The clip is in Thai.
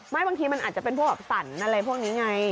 บางทีมันอาจจะเป็นพวกแบบสันอะไรพวกนี้ไง